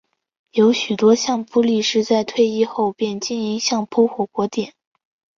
有许多相扑力士在退役后便经营相扑火锅店。